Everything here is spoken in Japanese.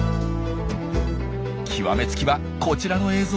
極め付きはこちらの映像。